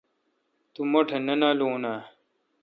تو مہ ٹھ نہ نالون آں؟